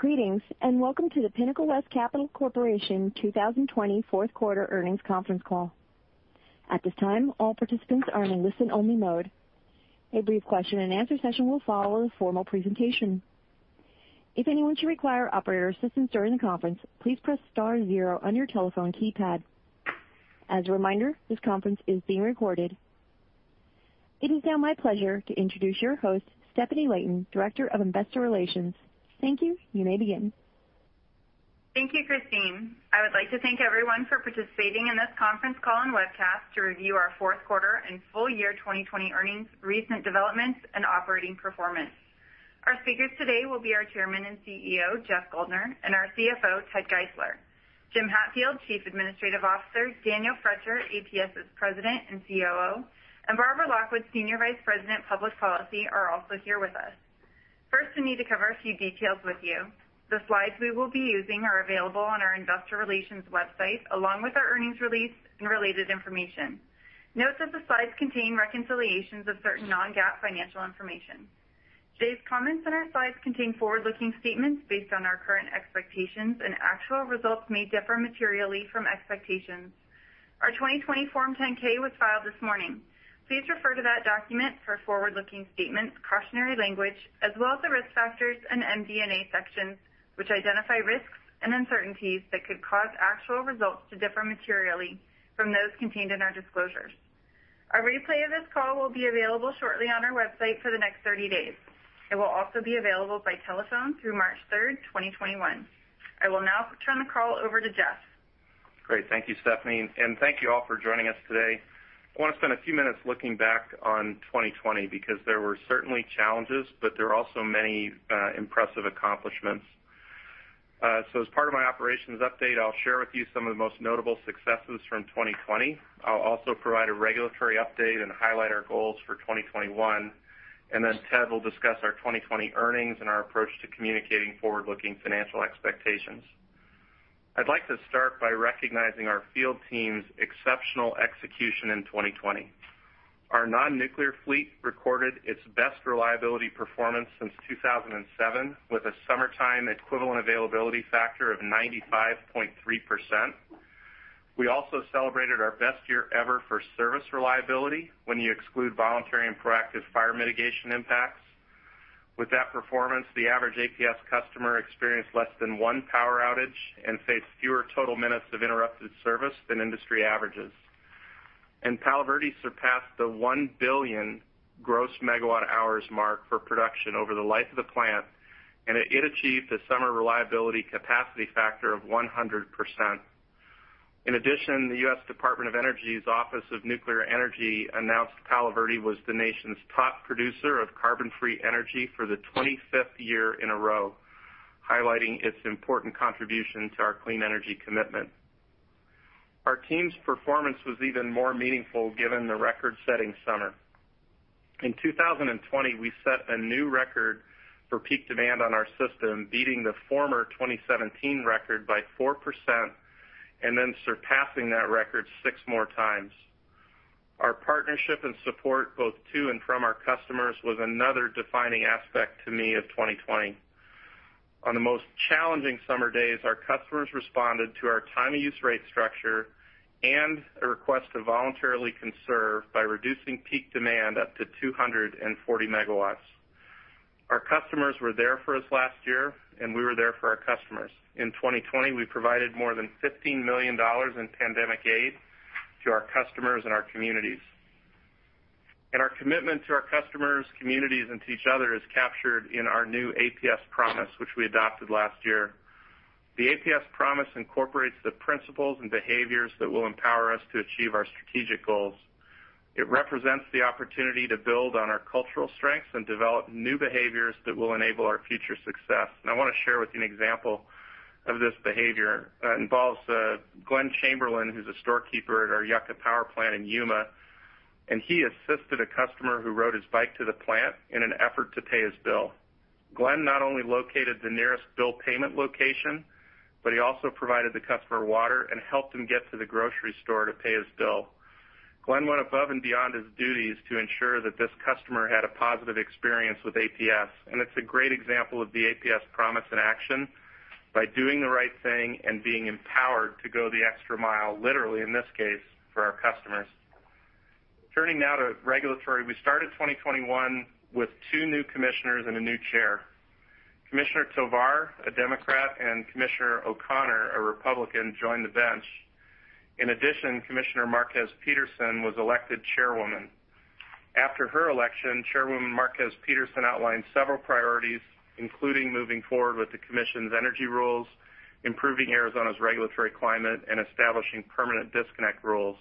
Greetings, and welcome to the Pinnacle West Capital Corporation 2020 Q4 earnings conference call. It is now my pleasure to introduce your host, Stefanie Layton, Director of Investor Relations. Thank you. You may begin. Thank you, Christine. I would like to thank everyone for participating in this conference call and webcast to review our Q4 and full year 2020 earnings, recent developments, and operating performance. Our speakers today will be our Chairman and CEO, Jeff Guldner, and our CFO, Ted Geisler. Jim Hatfield, Chief Administrative Officer, Daniel Froetscher, APS's President and COO, and Barbara Lockwood, Senior Vice President Public Policy, are also here with us. First, we need to cover a few details with you. The slides we will be using are available on our investor relations website, along with our earnings release and related information. Note that the slides contain reconciliations of certain non-GAAP financial information. Today's comments and our slides contain forward-looking statements based on our current expectations, and actual results may differ materially from expectations. Our 2020 Form 10-K was filed this morning. Please refer to that document for forward-looking statements, cautionary language, as well as the risk factors and MD&A sections, which identify risks and uncertainties that could cause actual results to differ materially from those contained in our disclosures. A replay of this call will be available shortly on our website for the next 30 days. It will also be available by telephone through March 3rd, 2021. I will now turn the call over to Jeff. Great. Thank you, Stefanie. Thank you all for joining us today. I want to spend a few minutes looking back on 2020 because there were certainly challenges, but there were also many impressive accomplishments. As part of my operations update, I'll share with you some of the most notable successes from 2020. I'll also provide a regulatory update and highlight our goals for 2021. Then Ted will discuss our 2020 earnings and our approach to communicating forward-looking financial expectations. I'd like to start by recognizing our field team's exceptional execution in 2020. Our non-nuclear fleet recorded its best reliability performance since 2007 with a summertime Equivalent Availability Factor of 95.3%. We also celebrated our best year ever for service reliability when you exclude voluntary and proactive fire mitigation impacts. With that performance, the average APS customer experienced less than one power outage and faced fewer total minutes of interrupted service than industry averages. Palo Verde surpassed the 1 billion gross megawatt hours mark for production over the life of the plant, and it achieved a summer reliability capacity factor of 100%. In addition, the U.S. Department of Energy's Office of Nuclear Energy announced Palo Verde was the nation's top producer of carbon-free energy for the 25th year in a row, highlighting its important contribution to our clean energy commitment. Our team's performance was even more meaningful given the record-setting summer. In 2020, we set a new record for peak demand on our system, beating the former 2017 record by 4% and then surpassing that record six more times. Our partnership and support both to and from our customers was another defining aspect to me of 2020. On the most challenging summer days, our customers responded to our Time of Use rate structure and a request to voluntarily conserve by reducing peak demand up to 240 MW. We were there for our customers. In 2020, we provided more than $15 million in pandemic aid to our customers and our communities. Our commitment to our customers, communities, and to each other is captured in our new APS Promise, which we adopted last year. The APS Promise incorporates the principles and behaviors that will empower us to achieve our strategic goals. It represents the opportunity to build on our cultural strengths and develop new behaviors that will enable our future success. I want to share with you an example of this behavior. It involves Glenn Chamberlain, who's a storekeeper at our Yucca Power Plant in Yuma, and he assisted a customer who rode his bike to the plant in an effort to pay his bill. Glenn not only located the nearest bill payment location, but he also provided the customer water and helped him get to the grocery store to pay his bill. Glenn went above and beyond his duties to ensure that this customer had a positive experience with APS, and it's a great example of the APS Promise in action by doing the right thing and being empowered to go the extra mile, literally in this case, for our customers. Turning now to regulatory, we started 2021 with two new Commissioners and a new chair. Commissioner Tovar, a Democrat, and Commissioner O'Connor, a Republican, joined the bench. In addition, Commissioner Lea Márquez Peterson was elected chairwoman. After her election, Chairwoman Márquez Peterson outlined several priorities, including moving forward with the commission's energy rules, improving Arizona's regulatory climate, and establishing permanent disconnect rules.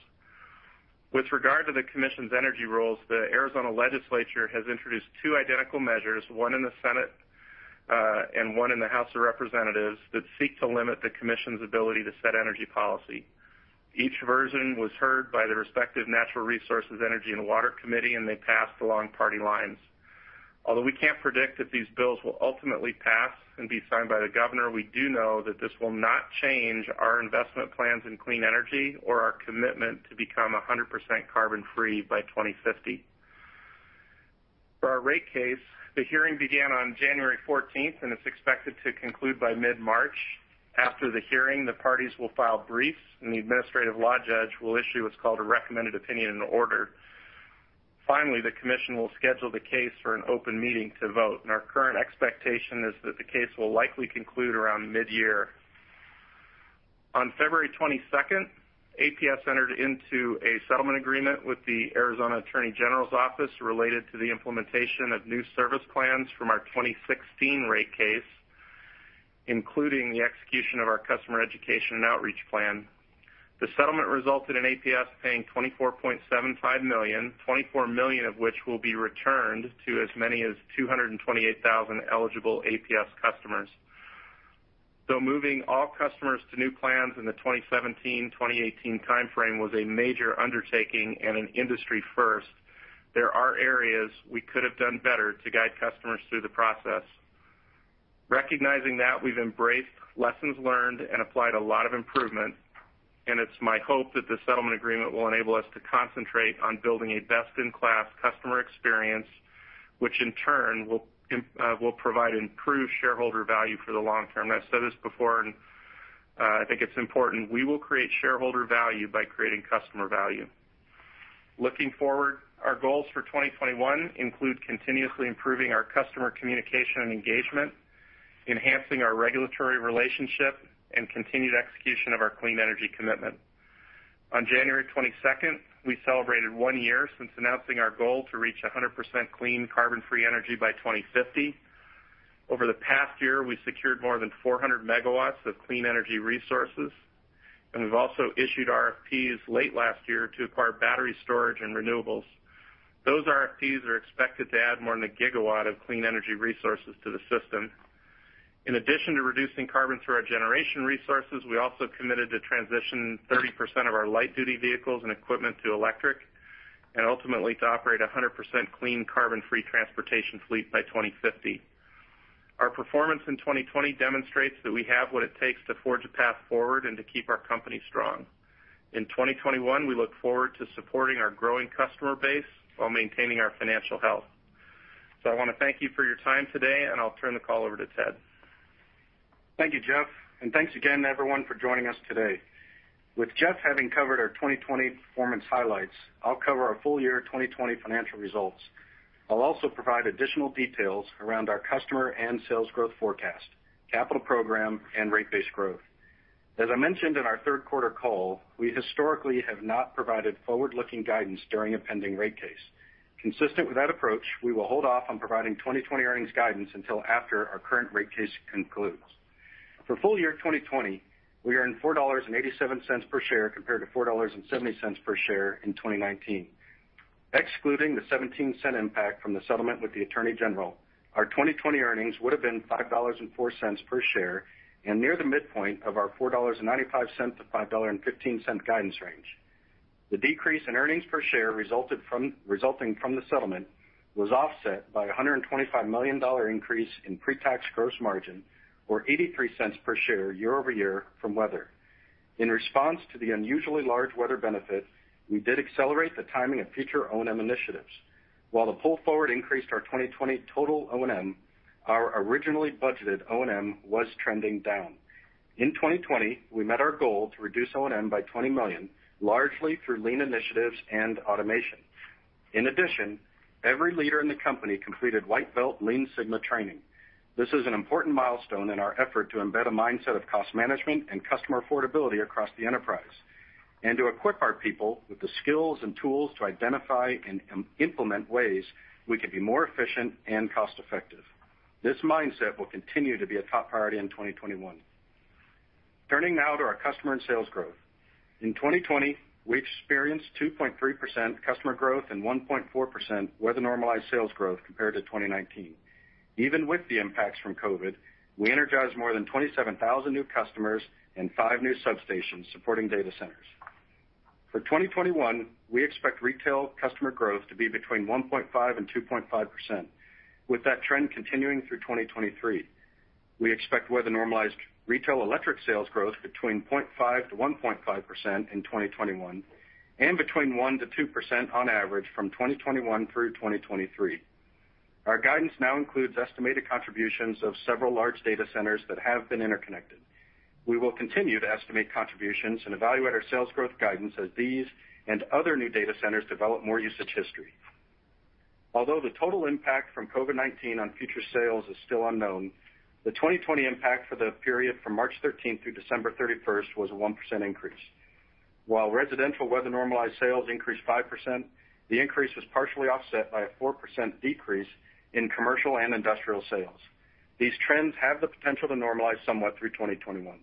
With regard to the commission's energy rules, the Arizona Legislature has introduced two identical measures, one in the Senate, and one in the House of Representatives, that seek to limit the commission's ability to set energy policy. Each version was heard by the respective Natural Resources, Energy & Water Committee, and they passed along party lines. Although we can't predict if these bills will ultimately pass and be signed by the governor, we do know that this will not change our investment plans in clean energy or our commitment to become 100% carbon-free by 2050. For our rate case, the hearing began on January 14th and is expected to conclude by mid-March. After the hearing, the parties will file briefs and the administrative law judge will issue what's called a Recommended Opinion and Order. Finally, the commission will schedule the case for an open meeting to vote, and our current expectation is that the case will likely conclude around mid-year. On February 22nd, APS entered into a settlement agreement with the Arizona Attorney General's Office related to the implementation of new service plans from our 2016 rate case, including the execution of our customer education and outreach plan. The settlement resulted in APS paying $24.75 million, $24 million of which will be returned to as many as 228,000 eligible APS customers. Though moving all customers to new plans in the 2017-2018 timeframe was a major undertaking and an industry first, there are areas we could have done better to guide customers through the process. Recognizing that, we've embraced lessons learned and applied a lot of improvement, and it's my hope that the settlement agreement will enable us to concentrate on building a best-in-class customer experience, which in turn will provide improved shareholder value for the long term. I've said this before and I think it's important. We will create shareholder value by creating customer value. Looking forward, our goals for 2021 include continuously improving our customer communication and engagement, enhancing our regulatory relationship, and continued execution of our clean energy commitment. On January 22nd, we celebrated one year since announcing our goal to reach 100% clean carbon-free energy by 2050. Over the past year, we secured more than 400 MW of clean energy resources, and we've also issued RFPs late last year to acquire battery storage and renewables. Those RFPs are expected to add more than a gigawatt of clean energy resources to the system. In addition to reducing carbon through our generation resources, we also committed to transition 30% of our light duty vehicles and equipment to electric, and ultimately to operate 100% clean carbon-free transportation fleet by 2050. Our performance in 2020 demonstrates that we have what it takes to forge a path forward and to keep our company strong. In 2021, we look forward to supporting our growing customer base while maintaining our financial health. I want to thank you for your time today, and I'll turn the call over to Ted. Thank you, Jeff, and thanks again everyone for joining us today. With Jeff having covered our 2020 performance highlights, I'll cover our full year 2020 financial results. I'll also provide additional details around our customer and sales growth forecast, capital program, and rate base growth. As I mentioned in our Q3 call, we historically have not provided forward-looking guidance during a pending rate case. Consistent with that approach, we will hold off on providing 2020 earnings guidance until after our current rate case concludes. For full year 2020, we earned $4.87 per share compared to $4.70 per share in 2019. Excluding the $0.17 impact from the settlement with the Attorney General, our 2020 earnings would have been $5.04 per share and near the midpoint of our $4.95-$5.15 guidance range. The decrease in earnings per share resulting from the settlement was offset by $125 million increase in pre-tax gross margin, or $0.83 per share year-over-year from weather. In response to the unusually large weather benefit, we did accelerate the timing of future O&M initiatives. While the pull forward increased our 2020 total O&M, our originally budgeted O&M was trending down. In 2020, we met our goal to reduce O&M by $20 million, largely through lean initiatives and automation. In addition, every leader in the company completed White Belt Lean Six Sigma training. This is an important milestone in our effort to embed a mindset of cost management and customer affordability across the enterprise, and to equip our people with the skills and tools to identify and implement ways we can be more efficient and cost-effective. This mindset will continue to be a top priority in 2021. Turning now to our customer and sales growth. In 2020, we experienced 2.3% customer growth and 1.4% weather-normalized sales growth compared to 2019. Even with the impacts from COVID-19, we energized more than 27,000 new customers and five new substations supporting data centers. For 2021, we expect retail customer growth to be between 1.5%-2.5%, with that trend continuing through 2023. We expect weather-normalized retail electric sales growth between 0.5%-1.5% in 2021, and between 1%-2% on average from 2021 through 2023. Our guidance now includes estimated contributions of several large data centers that have been interconnected. We will continue to estimate contributions and evaluate our sales growth guidance as these and other new data centers develop more usage history. Although the total impact from COVID-19 on future sales is still unknown, the 2020 impact for the period from March 13th, through December 31st, was a 1% increase. While residential weather-normalized sales increased 5%, the increase was partially offset by a 4% decrease in commercial and industrial sales. These trends have the potential to normalize somewhat through 2021.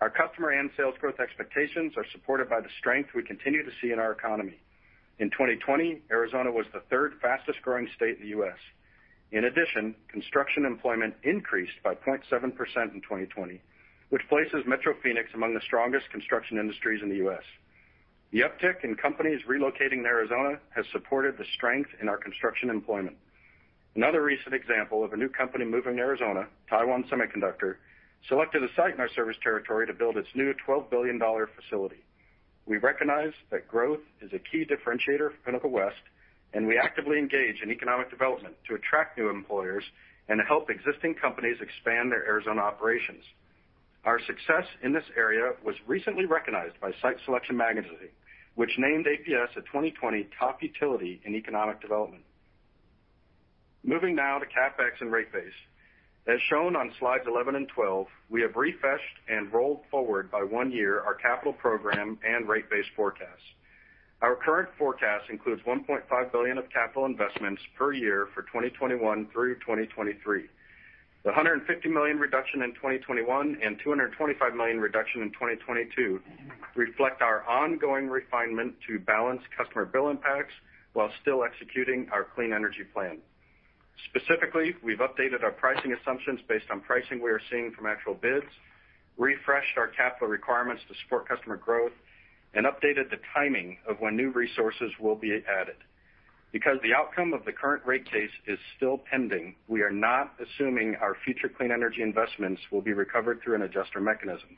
Our customer and sales growth expectations are supported by the strength we continue to see in our economy. In 2020, Arizona was the third fastest-growing state in the U.S. In addition, construction employment increased by 0.7% in 2020, which places Metro Phoenix among the strongest construction industries in the U.S. The uptick in companies relocating to Arizona has supported the strength in our construction employment. Another recent example of a new company moving to Arizona, Taiwan Semiconductor, selected a site in our service territory to build its new $12 billion facility. We recognize that growth is a key differentiator for Pinnacle West, and we actively engage in economic development to attract new employers and help existing companies expand their Arizona operations. Our success in this area was recently recognized by Site Selection Magazine, which named APS a 2020 top utility in economic development. Moving now to CapEx and rate base. As shown on slides 11 and 12, we have refreshed and rolled forward by one year our capital program and rate base forecast. Our current forecast includes $1.5 billion of capital investments per year for 2021 through 2023. The $150 million reduction in 2021 and $225 million reduction in 2022 reflect our ongoing refinement to balance customer bill impacts while still executing our clean energy plan. Specifically, we've updated our pricing assumptions based on pricing we are seeing from actual bids, refreshed our capital requirements to support customer growth, and updated the timing of when new resources will be added. Because the outcome of the current rate case is still pending, we are not assuming our future clean energy investments will be recovered through an adjuster mechanism.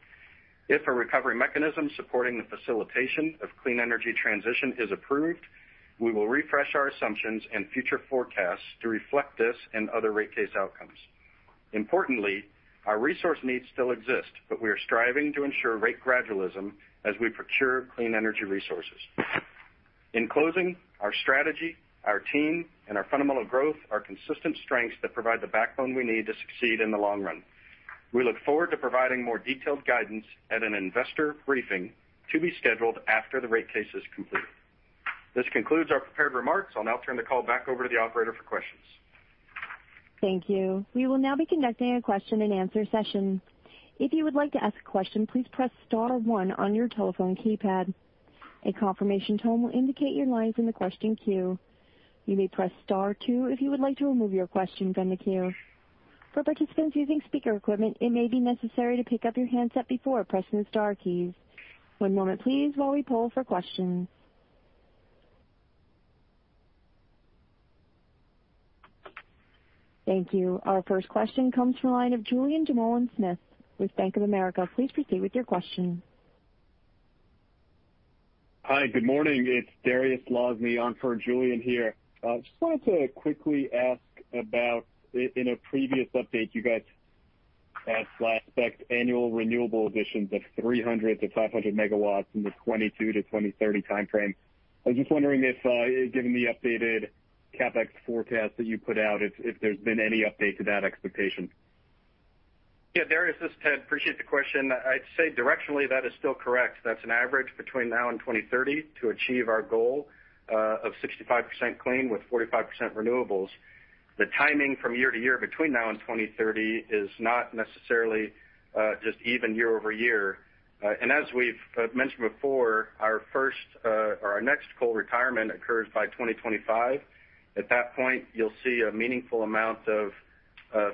If a recovery mechanism supporting the facilitation of clean energy transition is approved, we will refresh our assumptions and future forecasts to reflect this and other rate case outcomes. Importantly, our resource needs still exist, but we are striving to ensure rate gradualism as we procure clean energy resources. In closing, our strategy, our team, and our fundamental growth are consistent strengths that provide the backbone we need to succeed in the long run. We look forward to providing more detailed guidance at an investor briefing to be scheduled after the rate case is complete. This concludes our prepared remarks. I'll now turn the call back over to the operator for questions. Thank you. Our first question comes from the line of Julien Dumoulin-Smith with Bank of America. Please proceed with your question. Hi, good morning. It's Dariusz Lozny on for Julien here. Just wanted to quickly ask about, in a previous update, you guys had expected annual renewable additions of 300-500 MW in the 2022 to 2030 timeframe. I was just wondering if, given the updated CapEx forecast that you put out, if there's been any update to that expectation. Yeah, Dariusz, this is Ted. Appreciate the question. I'd say directionally that is still correct. That's an average between now and 2030 to achieve our goal of 65% clean with 45% renewables. The timing from year to year between now and 2030 is not necessarily just even year over year. As we've mentioned before, our next coal retirement occurs by 2025. At that point, you'll see a meaningful amount of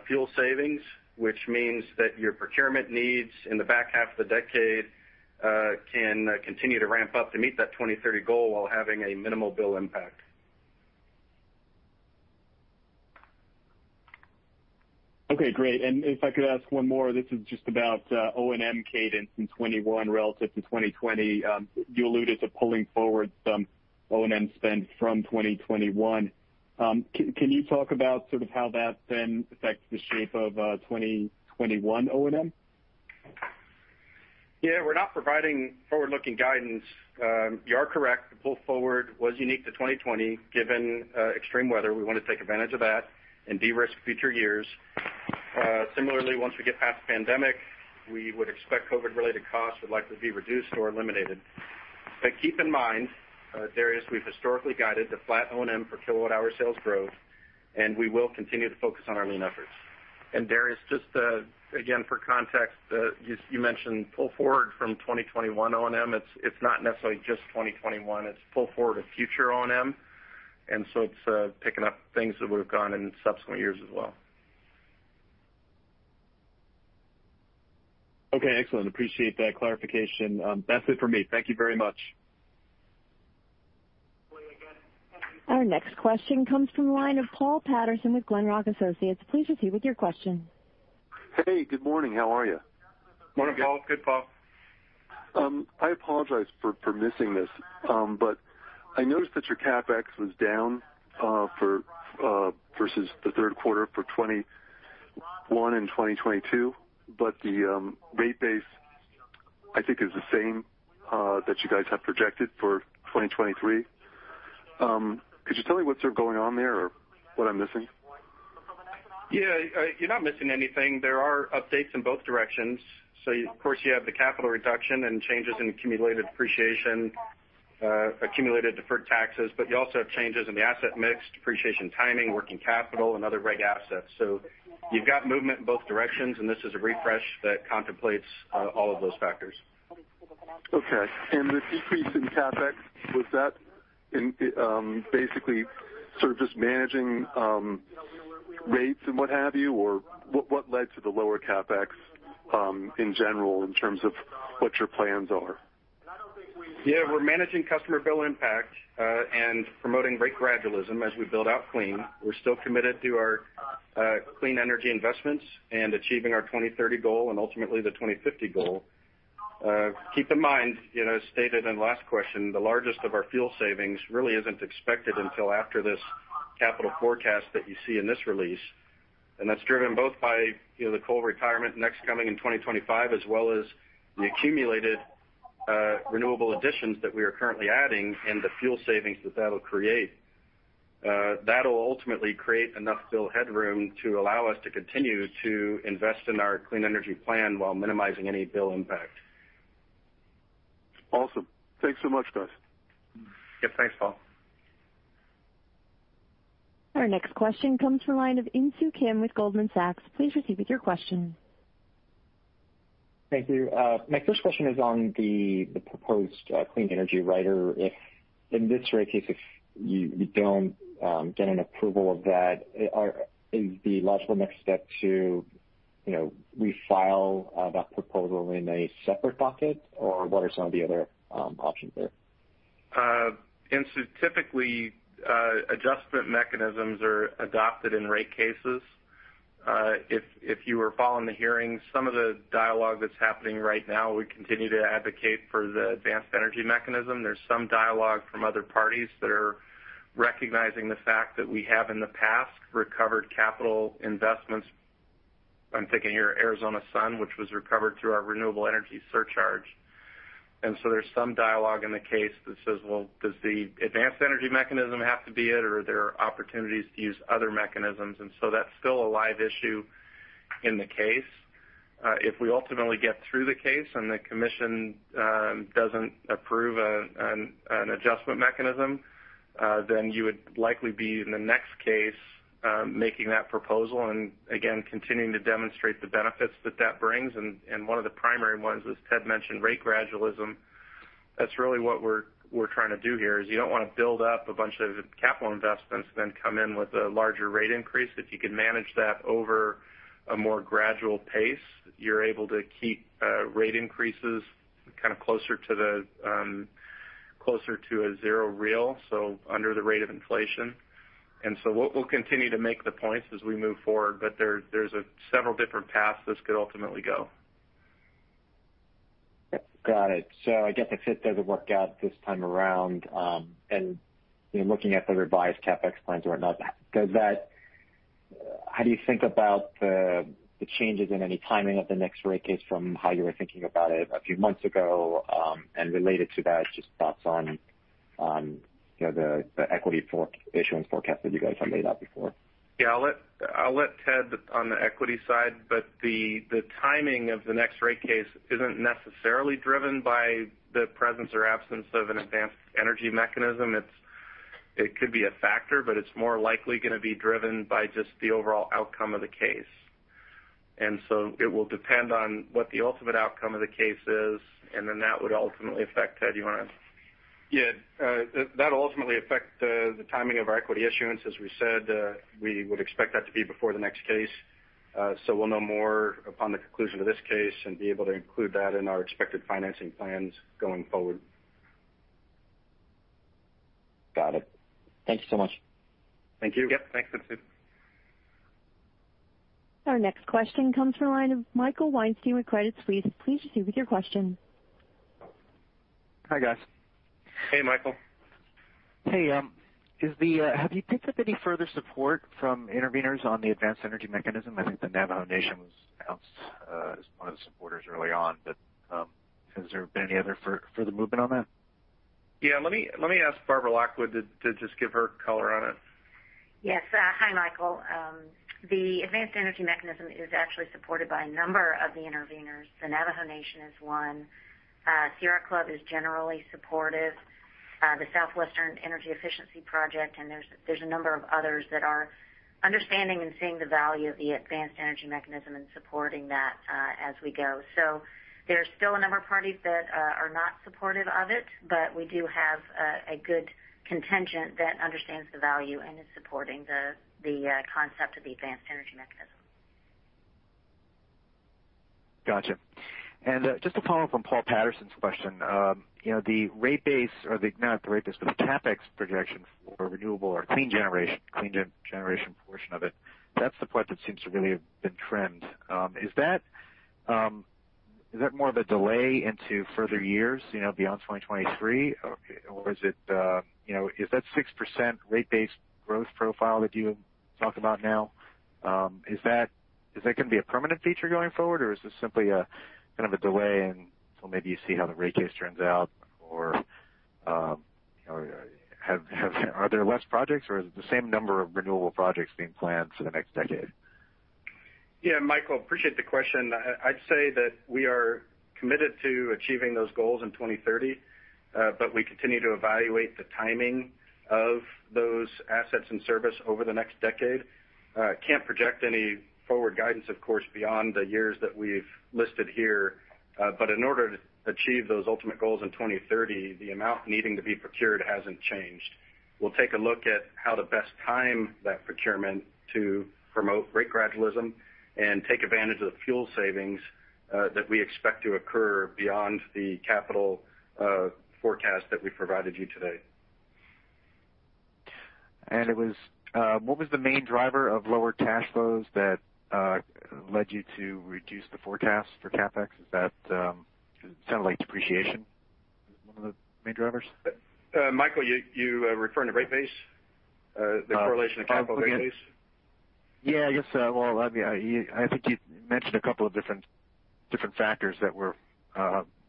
fuel savings, which means that your procurement needs in the back half of the decade can continue to ramp up to meet that 2030 goal while having a minimal bill impact. Okay, great. If I could ask one more, this is just about O&M cadence in 2021 relative to 2020. You alluded to pulling forward some O&M spend from 2021. Can you talk about how that then affects the shape of 2021 O&M? Yeah, we're not providing forward-looking guidance. You are correct, the pull forward was unique to 2020. Given extreme weather, we want to take advantage of that and de-risk future years. Similarly, once we get past the pandemic, we would expect COVID-related costs would likely be reduced or eliminated. Keep in mind, Dariusz, we've historically guided to flat O&M for kilowatt-hour sales growth, and we will continue to focus on our lean efforts. Dariusz, just again for context, you mentioned pull forward from 2021 O&M. It's not necessarily just 2021. It's pull forward of future O&M, and so it's picking up things that would've gone in subsequent years as well. Okay, excellent. Appreciate that clarification. That's it for me. Thank you very much. Our next question comes from the line of Paul Patterson with Glenrock Associates. Please proceed with your question. Hey, good morning. How are you? Morning, Paul. Good, Paul. I apologize for missing this, but I noticed that your CapEx was down versus the Q3 for 2021 and 2022, but the rate base, I think, is the same that you guys have projected for 2023. Could you tell me what's going on there or what I'm missing? Yeah, you're not missing anything. There are updates in both directions. Of course, you have the capital reduction and changes in accumulated depreciation, accumulated deferred taxes, but you also have changes in the asset mix, depreciation timing, working capital, and other reg assets. You've got movement in both directions, and this is a refresh that contemplates all of those factors. Okay. The decrease in CapEx, was that basically just managing rates and what have you? What led to the lower CapEx in general in terms of what your plans are? We're managing customer bill impact, and promoting rate gradualism as we build out clean. We're still committed to our clean energy investments and achieving our 2030 goal and ultimately the 2050 goal. Keep in mind, as stated in last question, the largest of our fuel savings really isn't expected until after this capital forecast that you see in this release. That's driven both by the coal retirement next coming in 2025, as well as the accumulated renewable additions that we are currently adding and the fuel savings that that'll create. That'll ultimately create enough bill headroom to allow us to continue to invest in our clean energy plan while minimizing any bill impact. Awesome. Thanks so much, guys. Yeah, thanks, Paul. Our next question comes from the line of Insoo Kim with Goldman Sachs. Please proceed with your question. Thank you. My first question is on the proposed clean energy rider. If in this rate case, if you don't get an approval of that, is the logical next step to refile that proposal in a separate docket or what are some of the other options there? Insoo, typically, adjustment mechanisms are adopted in rate cases. If you were following the hearing, some of the dialogue that's happening right now, we continue to advocate for the Advanced Energy Mechanism. There's some dialogue from other parties that are recognizing the fact that we have in the past recovered capital investments. I'm thinking here Arizona Sun, which was recovered through our Renewable Energy Surcharge. There's some dialogue in the case that says, well, does the Advanced Energy Mechanism have to be it, or are there opportunities to use other mechanisms? That's still a live issue in the case. If we ultimately get through the case and the Commission doesn't approve an adjustment mechanism, then you would likely be in the next case, making that proposal and again, continuing to demonstrate the benefits that brings. One of the primary ones, as Ted mentioned, rate gradualism. That's really what we're trying to do here, is you don't want to build up a bunch of capital investments, then come in with a larger rate increase. If you could manage that over a more gradual pace, you're able to keep rate increases closer to a zero real, so under the rate of inflation. We'll continue to make the points as we move forward. There's several different paths this could ultimately go. Got it. I guess if it doesn't work out this time around, looking at the revised CapEx plans or whatnot, how do you think about the changes in any timing of the next rate case from how you were thinking about it a few months ago? Related to that, just thoughts on the equity issuance forecast that you guys have laid out before. I'll let Ted on the equity side, but the timing of the next rate case isn't necessarily driven by the presence or absence of an Advanced Energy Mechanism. It could be a factor, but it's more likely going to be driven by just the overall outcome of the case. It will depend on what the ultimate outcome of the case is, and then that would ultimately affect. Ted, you want to? Yeah. That ultimately affect the timing of our equity issuance, as we said, we would expect that to be before the next case. We'll know more upon the conclusion of this case and be able to include that in our expected financing plans going forward. Got it. Thank you so much. Thank you. Yep. Thanks, Insoo. Our next question comes from the line of Michael Weinstein with Credit Suisse. Please proceed with your question. Hi, guys. Hey, Michael. Hey, have you picked up any further support from interveners on the Advanced Energy Mechanism? I think the Navajo Nation was announced as one of the supporters early on, but has there been any other further movement on that? Yeah, let me ask Barbara Lockwood to just give her color on it. Yes. Hi, Michael. The Advanced Energy Mechanism is actually supported by a number of the interveners. The Navajo Nation is one. Sierra Club is generally supportive. The Southwest Energy Efficiency Project, and there's a number of others that are understanding and seeing the value of the Advanced Energy Mechanism and supporting that as we go. There's still a number of parties that are not supportive of it, but we do have a good contingent that understands the value and is supporting the concept of the Advanced Energy Mechanism. Got you. Just to follow up on Paul Patterson's question, the CapEx projection for renewable or clean generation portion of it, that's the part that seems to really have been trimmed. Is that more of a delay into further years, beyond 2023? Is that 6% rate base growth profile that you talk about now, is that going to be a permanent feature going forward? Is this simply a delay until maybe you see how the rate case turns out? Are there less projects, or is it the same number of renewable projects being planned for the next decade? Yeah, Michael, appreciate the question. I'd say that we are committed to achieving those goals in 2030. We continue to evaluate the timing of those assets and service over the next decade. Can't project any forward guidance, of course, beyond the years that we've listed here. In order to achieve those ultimate goals in 2030, the amount needing to be procured hasn't changed. We'll take a look at how to best time that procurement to promote rate gradualism and take advantage of the fuel savings that we expect to occur beyond the capital forecast that we provided you today. What was the main driver of lower cash flows that led you to reduce the forecast for CapEx? It sounded like depreciation was one of the main drivers. Michael, you referring to rate base, the correlation of capital base? Yeah. I guess, well, I think you mentioned a couple of different factors that were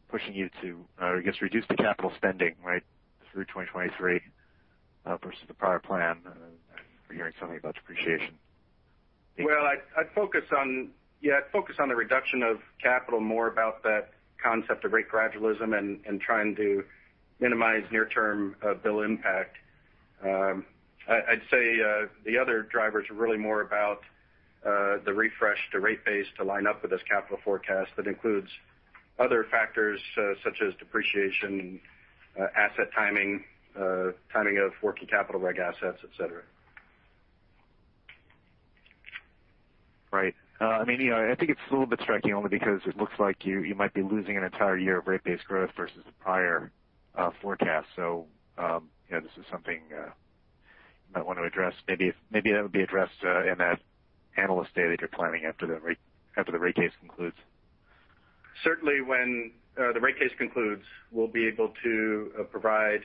pushing you to, I guess, reduce the capital spending, right, through 2023 versus the prior plan? We're hearing something about depreciation. Well, I'd focus on the reduction of capital more about that concept of rate gradualism and trying to minimize near-term bill impact. I'd say, the other drivers are really more about the refresh to rate base to line up with this capital forecast that includes other factors such as depreciation, asset timing of working capital reg assets, et cetera. Right. I think it's a little bit striking only because it looks like you might be losing an entire year of rate base growth versus the prior forecast. Yeah, this is something you might want to address. Maybe that would be addressed in that analyst day that you're planning after the rate case concludes. Certainly when the rate case concludes, we'll be able to provide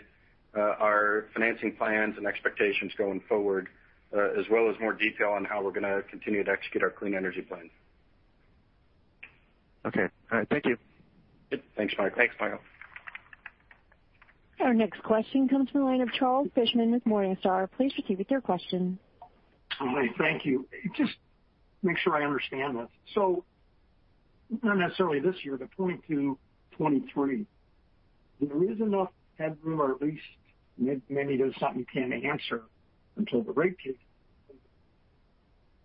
our financing plans and expectations going forward, as well as more detail on how we're going to continue to execute our clean energy plan. Okay. All right. Thank you. Good. Thanks, Michael. Thanks, Michael. Our next question comes from the line of Charles Fishman with Morningstar. Please proceed with your question. Hi. Thank you. Just make sure I understand this. Not necessarily this year, but 2022, 2023, there is enough headroom or at least maybe there's something you can't answer until the rate case.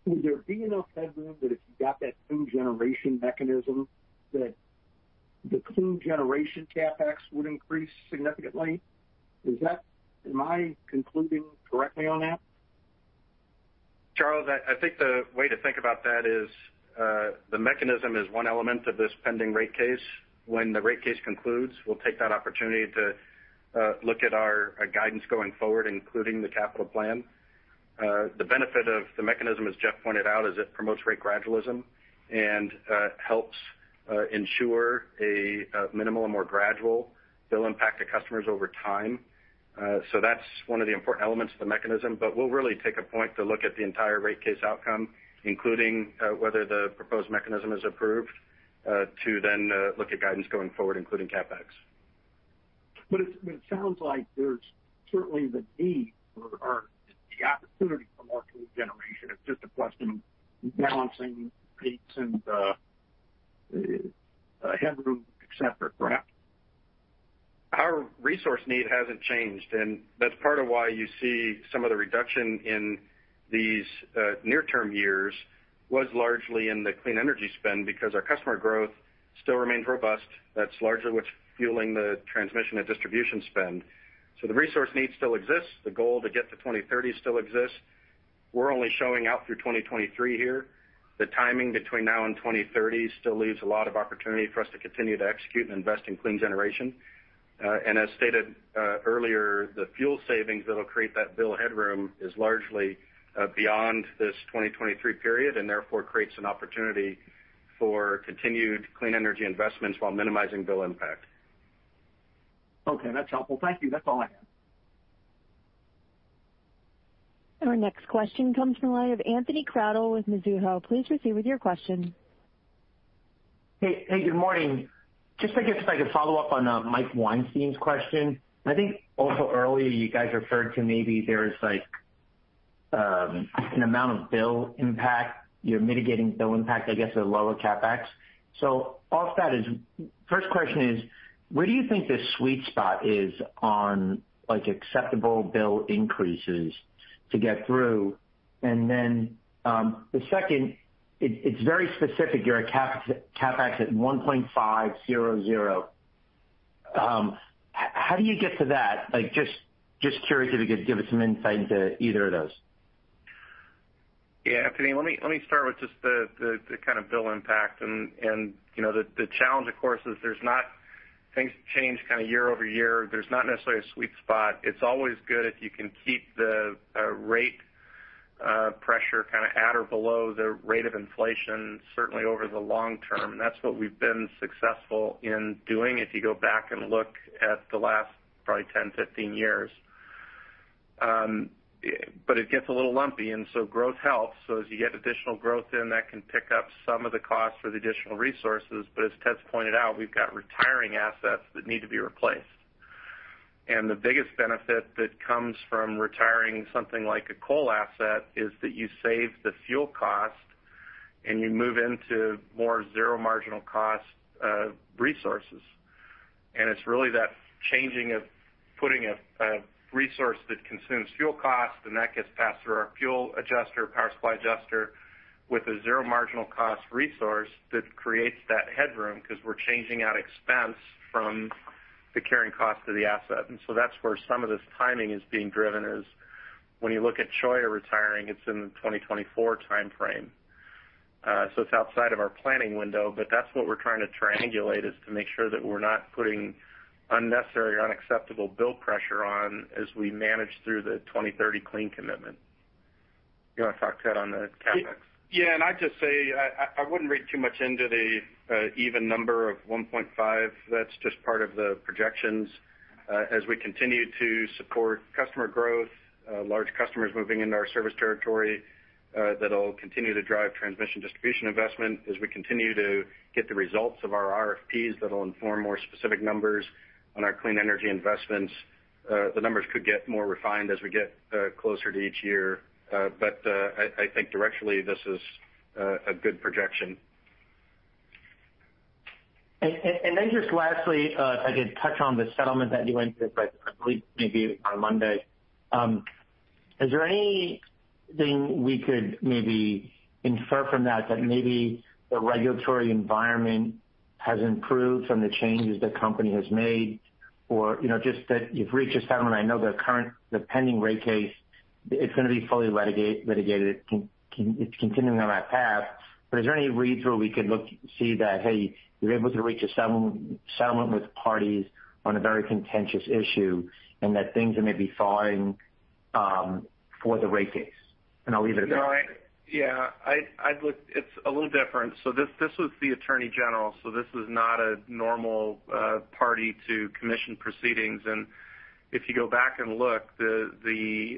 Will there be enough headroom that if you got that clean generation mechanism, that the clean generation CapEx would increase significantly? Am I concluding correctly on that? Charles, I think the way to think about that is, the Mechanism is one element of this pending rate case. When the rate case concludes, we'll take that opportunity to look at our guidance going forward, including the capital plan. The benefit of the Mechanism, as Jeff pointed out, is it promotes rate gradualism and helps ensure a minimal and more gradual bill impact to customers over time. That's one of the important elements of the Mechanism. We'll really take a point to look at the entire rate case outcome, including whether the proposed Mechanism is approved, to then look at guidance going forward, including CapEx. It sounds like there's certainly the need or the opportunity for more clean generation. It's just a question of balancing peaks and the headroom, et cetera. Correct? Our resource need hasn't changed, and that's part of why you see some of the reduction in these near-term years was largely in the clean energy spend because our customer growth still remains robust. That's largely what's fueling the transmission and distribution spend. The resource need still exists. The goal to get to 2030 still exists. We're only showing out through 2023 here. The timing between now and 2030 still leaves a lot of opportunity for us to continue to execute and invest in clean generation. As stated earlier, the fuel savings that'll create that bill headroom is largely beyond this 2023 period, and therefore creates an opportunity for continued clean energy investments while minimizing bill impact. Okay. That's helpful. Thank you. That's all I have. Our next question comes from the line of Anthony Crowdell with Mizuho. Please proceed with your question. Hey. Good morning. I guess, if I could follow up on Mike Weinstein's question. I think also earlier you guys referred to maybe there is an amount of bill impact. You're mitigating bill impact, I guess, with lower CapEx. Off that, first question is, where do you think the sweet spot is on acceptable bill increases to get through? The second, it's very specific. You're at CapEx at $1.500. How do you get to that? Curious if you could give us some insight into either of those. Yeah, Anthony, let me start with just the kind of bill impact. The challenge, of course, is things change kind of year-over-year. There's not necessarily a sweet spot. It's always good if you can keep the rate pressure kind of at or below the rate of inflation, certainly over the long term. That's what we've been successful in doing, if you go back and look at the last probably 10, 15 years. It gets a little lumpy, growth helps. As you get additional growth in, that can pick up some of the cost for the additional resources. As Ted's pointed out, we've got retiring assets that need to be replaced. The biggest benefit that comes from retiring something like a coal asset is that you save the fuel cost and you move into more zero marginal cost resources. It's really that changing of putting a resource that consumes fuel cost, and that gets passed through our fuel adjuster, Power Supply Adjuster, with a zero marginal cost resource that creates that headroom because we're changing out expense from the carrying cost of the asset. That's where some of this timing is being driven is when you look at Cholla retiring, it's in the 2024 timeframe. It's outside of our planning window, but that's what we're trying to triangulate, is to make sure that we're not putting unnecessary or unacceptable bill pressure on as we manage through the 2030 clean commitment. You want to talk to that on the CapEx? Yeah. I'd just say, I wouldn't read too much into the even number of $1.5. That's just part of the projections. As we continue to support customer growth, large customers moving into our service territory, that'll continue to drive transmission distribution investment as we continue to get the results of our RFPs that'll inform more specific numbers on our clean energy investments. The numbers could get more refined as we get closer to each year. I think directionally, this is a good projection. Just lastly, if I could touch on the settlement that you entered, I believe maybe on Monday. Is there anything we could maybe infer from that maybe the regulatory environment has improved from the changes the company has made? Just that you've reached a settlement. I know the pending rate case, it's going to be fully litigated. It's continuing on that path. Is there any reads where we could look to see that, hey, you're able to reach a settlement with parties on a very contentious issue and that things are maybe thawing for the rate case? I'll leave it at that. No. Yeah. It's a little different. This was the attorney general, this is not a normal party to Commission proceedings. If you go back and look, the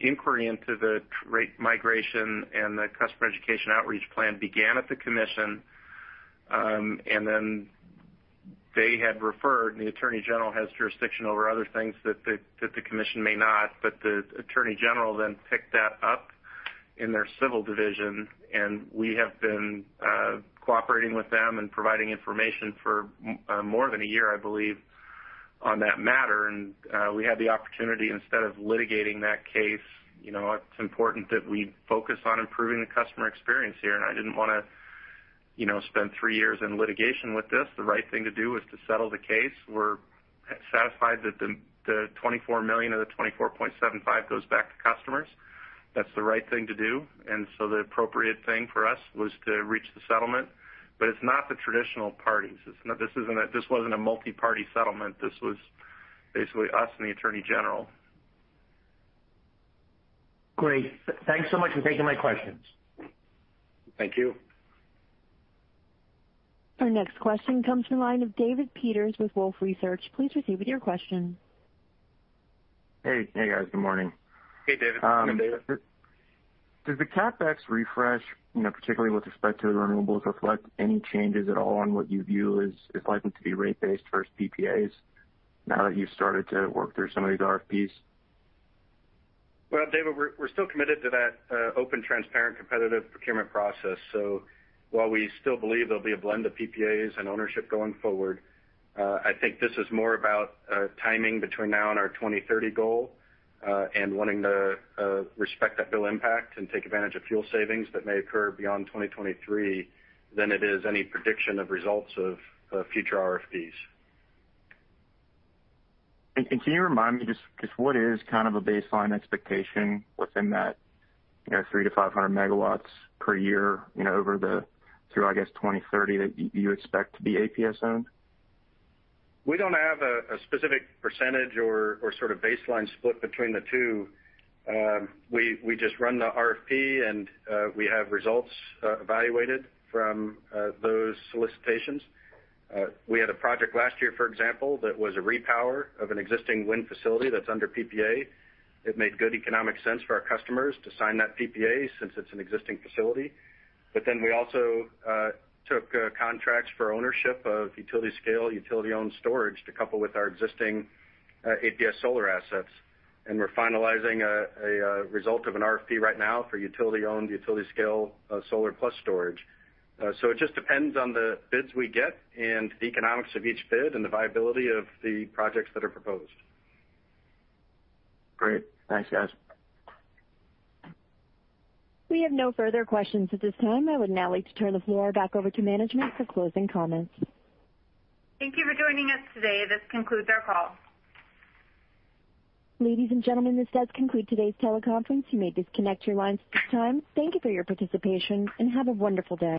inquiry into the rate migration and the customer education outreach plan began at the Commission. They had referred, the attorney general has jurisdiction over other things that the Commission may not. The attorney general then picked that up in their civil division, we have been cooperating with them and providing information for more than a year, I believe, on that matter. We had the opportunity, instead of litigating that case, it's important that we focus on improving the customer experience here. I didn't want to spend three years in litigation with this. The right thing to do is to settle the case. We're satisfied that the $24 million of the $24.75 goes back to customers. That's the right thing to do. The appropriate thing for us was to reach the settlement. It's not the traditional parties. This wasn't a multi-party settlement. This was basically us and the Attorney General. Great. Thanks so much for taking my questions. Thank you. Our next question comes from the line of David Peters with Wolfe Research. Please proceed with your question. Hey, guys. Good morning. Hey, David. Good morning, David. Does the CapEx refresh, particularly with respect to renewables, reflect any changes at all on what you view is likely to be rate-based versus PPAs now that you've started to work through some of these RFPs? Well, David, we're still committed to that open, transparent, competitive procurement process. While we still believe there'll be a blend of PPAs and ownership going forward, I think this is more about timing between now and our 2030 goal, and wanting to respect that bill impact and take advantage of fuel savings that may occur beyond 2023, than it is any prediction of results of future RFPs. Can you remind me, just what is kind of a baseline expectation within that 3-500 MW per year over through, I guess, 2030 that you expect to be APS-owned? We don't have a specific % or sort of baseline split between the two. We just run the RFP. We have results evaluated from those solicitations. We had a project last year, for example, that was a repower of an existing wind facility that's under PPA. It made good economic sense for our customers to sign that PPA since it's an existing facility. We also took contracts for ownership of utility-scale, utility-owned storage to couple with our existing APS solar assets. We're finalizing a result of an RFP right now for utility-owned, utility-scale solar plus storage. It just depends on the bids we get and the economics of each bid and the viability of the projects that are proposed. Great. Thanks, guys. We have no further questions at this time. I would now like to turn the floor back over to management for closing comments. Thank you for joining us today. This concludes our call. Ladies and gentlemen, this does conclude today's teleconference. You may disconnect your lines at this time. Thank you for your participation, and have a wonderful day.